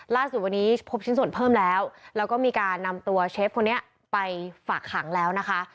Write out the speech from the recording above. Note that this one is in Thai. ล่าสุดวันนี้พบชิ้นส่วนเพิ่มแล้วแล้วก็มีการนำตัวเชฟคนนี้ไปฝากขังแล้วนะคะ